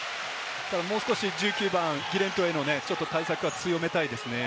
もう少し、１９番・ギレントへの対策は強めたいですね。